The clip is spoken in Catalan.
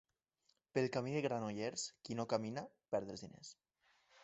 Pel camí de Granollers, qui no camina perd els diners.